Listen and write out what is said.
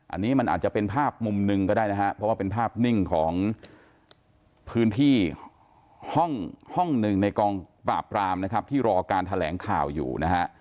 อันนี้มันอาจจะเป็นภาพมุมหนึ่งก็ได้นะฮะเพราะว่าเป็นภาพนิ่งของพื้นที่ห้องหนึ่งในกองปราบรามนะครับที่รอการแถลงข่าวอยู่นะฮะ